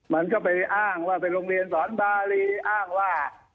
มันก็ไปอ้างว่าเป็นโรงเรียนสอนบารีอ้างว่า